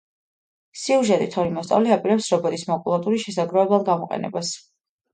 სიუჟეტით ორი მოსწავლე აპირებს რობოტის მაკულატურის შესაგროვებლად გამოყენებას.